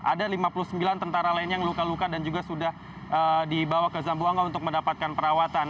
ada lima puluh sembilan tentara lain yang luka luka dan juga sudah dibawa ke zambuanga untuk mendapatkan perawatan